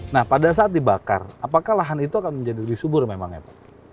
nah pada saat dibakar apakah lahan itu akan menjadi lebih subur memang ya pak